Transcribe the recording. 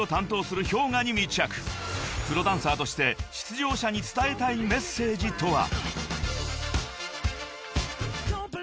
［プロダンサーとして出場者に伝えたいメッセージとは］